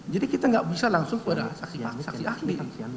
jadi kita tidak bisa langsung pada saksi ahli